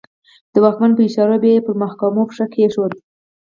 د واکمن په اشاره به یې پر محکوم پښه کېښوده.